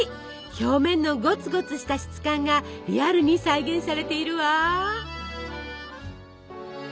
表面のゴツゴツした質感がリアルに再現されているわ。